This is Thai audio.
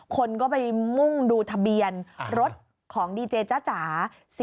คนก็ไปมุ่งดูทะเบียนรถของดีเจจ้าจ๋า